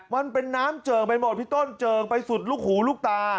มันเป็นน้ำเจิงไปหมดพี่ต้นเจิงไปสุดลูกหูลูกตา